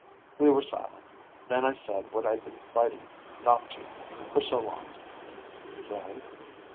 We were silent; then I said what I'd been fighting not to, for so long. "Frank